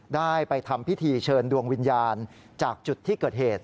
ได้ไปทำพิธีเชิญดวงวิญญาณจากจุดที่เกิดเหตุ